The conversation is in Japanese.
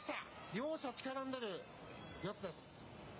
両者、力の出る四つです。